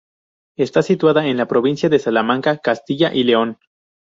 Está situada en la provincia de Salamanca, Castilla y León.